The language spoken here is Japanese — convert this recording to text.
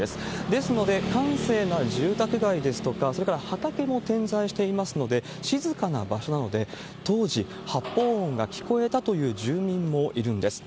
ですので、閑静な住宅街ですとか、それから畑も点在していますので、静かな場所なので、当時、発砲音が聞こえたという住民もいるんです。